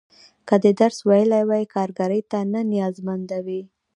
که دې درس ویلی وای، کارګرۍ ته نه نیازمنده وې.